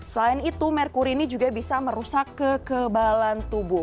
selain itu merkuri ini juga bisa merusak kekebalan tubuh